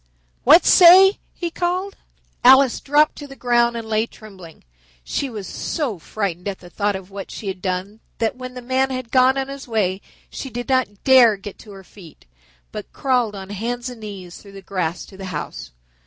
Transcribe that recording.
What say?" he called. Alice dropped to the ground and lay trembling. She was so frightened at the thought of what she had done that when the man had gone on his way she did not dare get to her feet, but crawled on hands and knees through the grass to the house.